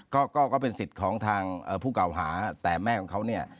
ก็ก็เป็นสิทธิ์ของทางผู้เก่าหาแต่แม่ของเขาเนี่ย